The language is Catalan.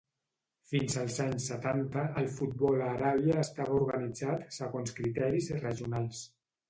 Fins als anys setanta, el futbol a Aràbia estava organitzat segons criteris regionals.